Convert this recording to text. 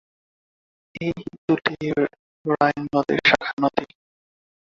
এই দুটি রাইন নদীর শাখা নদী।